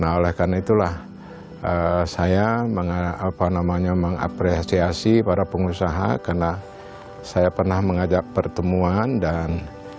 nah oleh karena itulah saya mengapresiasi para pengusaha karena saya pernah mengajak pertemuan dan